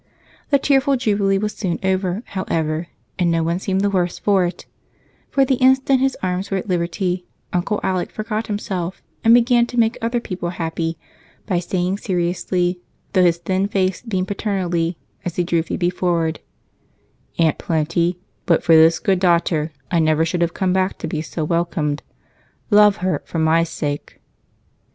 The tearful jubilee was soon over, however, and no one seemed the worse for it, for the instant his arms were at liberty, Dr. Alec forgot himself and began to make other people happy by saying seriously, though his thin face beamed paternally, as he drew Phebe forward: "Aunt Plenty, but for this good daughter I never should have come back to be so welcomed. Love her for my sake."